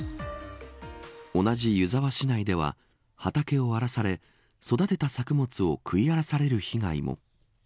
同じ湯沢市内では畑を荒らされ育てた作物を食い荒らされる被害も。